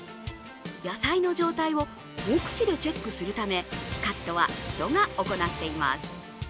野菜の状態を目視でチェックするためカットは人が行っています。